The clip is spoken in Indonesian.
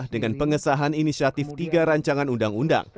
dengan pengesahan inisiatif tiga rancangan undang undang